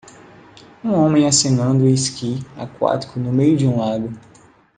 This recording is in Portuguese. Um homem acenando e esqui aquático no meio de um lago.